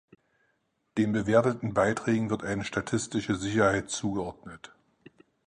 Den bewerteten Beiträgen wird eine statistische Sicherheit zugeordnet.